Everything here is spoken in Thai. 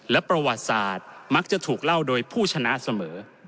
และประวัติศาสตร์มักจะถูกเล่าโดยผู้ชนะเสมอ